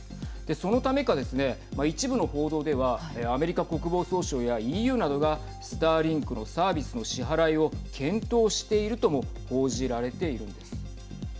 そのためかですね一部の報道ではアメリカ国防総省やＥＵなどがスターリンクのサービスの支払いを検討しているとも報じられているんです。